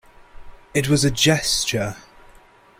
It was a gesture.